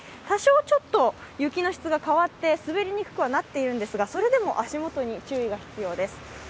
多少ちょっと雪の質が変わって滑りにくくはなっているんですがそれでも足元に注意が必要です。